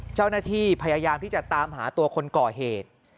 เจ้าหน้าที่พยายามที่จะตามหาตัวคนก่อเหตุ